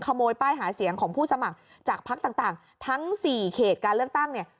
ขโมยป้ายหาเสียงของผู้สมัครจากพักต่างทั้ง๔เขตการเลือกตั้งเนี่ย